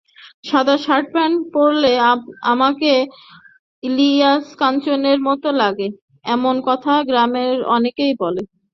সাদা শার্ট-প্যান্ট পরলে আমাকে ইলিয়াস কাঞ্চনের মতো লাগে—এমন কথা গ্রামের অনেকেই বলে।